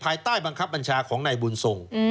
ภายใต้บังคับบัญชาของนายบุญทรง